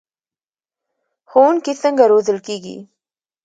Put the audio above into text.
ښوونکي څنګه روزل کیږي؟